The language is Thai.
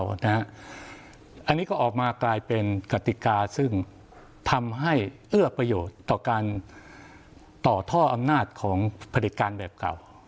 อันนี้ก็ออกมากลายเป็นกติกาซึ่งทำให้เอื้อประโยชน์ต่อการต่อท่ออำนาจของผลิตการแบบเก่า